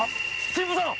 神父さん！